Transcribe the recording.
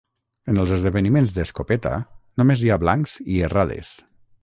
En els esdeveniments d'escopeta, només hi ha blancs i errades.